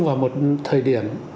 vào một thời điểm